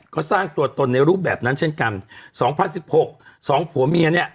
ก็สร้างตัวตนในรูปแบบนั้นเช่นกันสองพันสิบหกสองผัวเมียเนี่ย